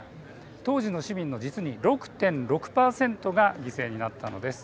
当時の市民の実に６．６％が犠牲になったのです。